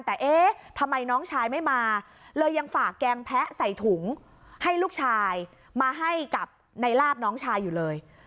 แต่เอ๊ะทำไมน้องชายไม่มาเลยยังฝากแกงแพะใส่ถุงให้ลูกชายมาให้กับในลาบน้องชายอยู่เลย